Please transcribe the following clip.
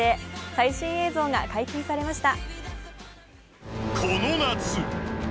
最新映像が解禁されました。